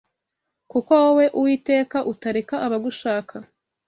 kuko wowe Uwiteka utareka abagushaka